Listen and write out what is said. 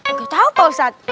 nggak tahu pakusat